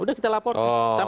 sudah kita laporkan